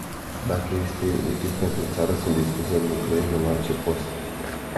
Dacă este util pentru țară, sunt dispus să lucrez în orice post.